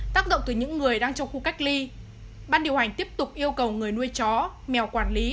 tác động từ những người đang trong khu cách ly ban điều hành tiếp tục yêu cầu người nuôi chó mèo quản lý